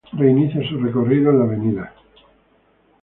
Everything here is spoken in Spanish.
Reinicia su recorrido en la Av.